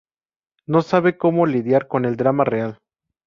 No saben cómo lidiar con el drama real".